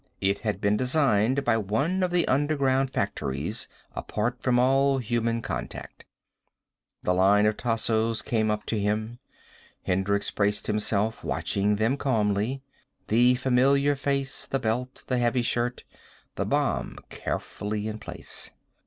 It had been designed by one of the underground factories, apart from all human contact. The line of Tassos came up to him. Hendricks braced himself, watching them calmly. The familiar face, the belt, the heavy shirt, the bomb carefully in place.